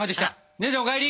姉ちゃんお帰り！